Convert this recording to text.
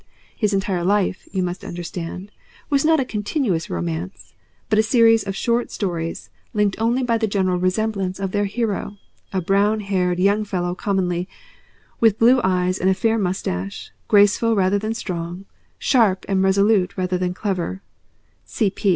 His entire life, you must understand, was not a continuous romance, but a series of short stories linked only by the general resemblance of their hero, a brown haired young fellow commonly, with blue eyes and a fair moustache, graceful rather than strong, sharp and resolute rather than clever (cp.